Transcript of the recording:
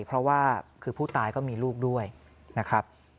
เพราะว่าคือผู้ตายก็มีลูกด้วยนะครับ